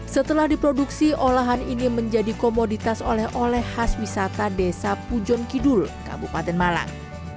setelah diproduksi olahan ini menjadi komoditas oleh oleh khas wisata desa pujon kidul kabupaten malang